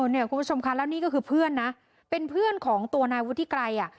เนี่ยคุณผู้ชมค่ะแล้วนี่ก็คือเพื่อนนะเป็นเพื่อนของตัวนายวุฒิไกรอ่ะ